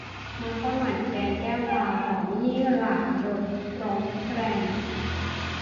มัสหมั่นแกงแก้วตา หอมยี่หร่ารสร้อนแรง